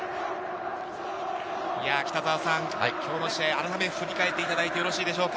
今日の試合、あらためて振り返っていただいてよろしいでしょうか。